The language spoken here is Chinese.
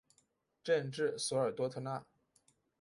镇治索尔多特纳。